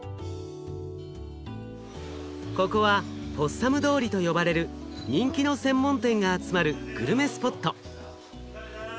ここはポッサム通りと呼ばれる人気の専門店が集まるグルメスポット。